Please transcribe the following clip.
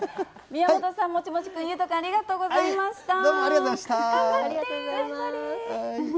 宮本さん、もちもちくん、裕太君、ありがとうございました。